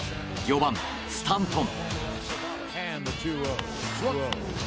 ４番、スタントン。